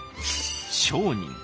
商人。